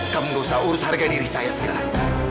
kamu gak usah urus harga diri saya sekarang